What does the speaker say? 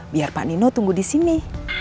biar pak nino tunggu disini